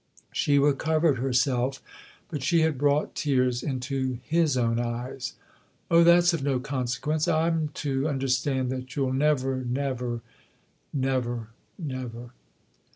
She recovered herself, but she had brought tears into his own eyes. " Oh, that's of no consequence ! I'm to understand that you'll never, never ?" "Never, never."